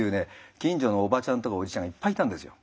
近所のおばちゃんとかおじちゃんがいっぱいいたんですよ。